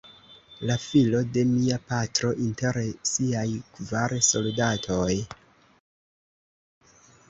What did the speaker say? La filo de mia patro, inter siaj kvar soldatoj.